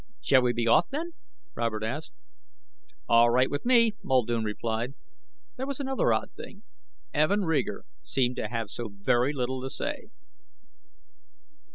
"Shall we be off, then?" Robert asked. "All right with me," Muldoon replied. There was another odd thing. Evin Reeger seemed to have so very little to say.